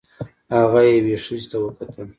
هغه یوې ښځې ته وکتل.